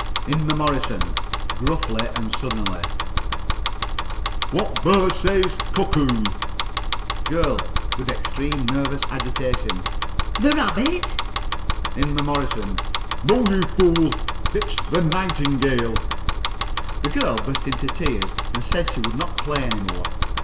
INMEMORISON (gruffly and suddenly): What bird says cuckoo? GIRL (with extreme nervous agitation): The rabbit. INMEMORISON: No, you fool it's the nightingale. The girl burst into tears and said she would not play any more.